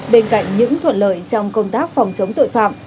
bên cạnh những thuận lợi trong công tác phòng chống tội phạm